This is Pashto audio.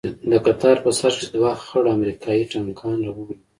د کتار په سر کښې دوه خړ امريکايي ټانکان روان وو.